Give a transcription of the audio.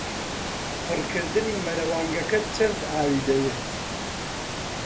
پڕکردنی مەلەوانگەکەت چەند ئاوی دەوێت؟